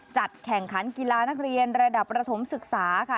จัดแข่งขันกีฬานักเรียนระดับประถมศึกษาค่ะ